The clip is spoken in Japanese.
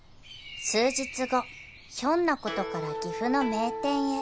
［数日後ひょんなことから岐阜の名店へ］